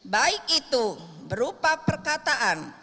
baik itu berupa perkataan